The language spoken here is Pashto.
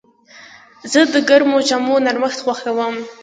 زه د ګرمو جامو نرمښت خوښوم.